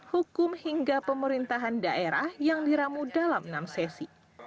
hukum hingga pemerintahan daerah yang diramu dalam enam sesi